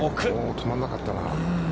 止まらなかったなぁ。